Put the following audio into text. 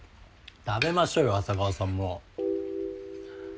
食べましょうよ浅川さんも。